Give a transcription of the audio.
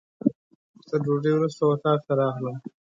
تر ډوډۍ وروسته اتاق ته راغلم.